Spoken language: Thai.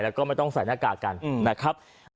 แล้วก็ไม่ต้องใส่หน้ากากกันนะครับ